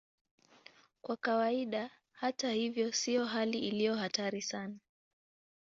Kwa kawaida, hata hivyo, sio hali iliyo hatari sana.